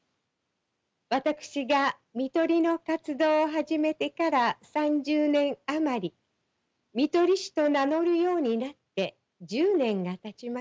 私が看取りの活動を始めてから３０年余り看取り士と名乗るようになって１０年がたちました。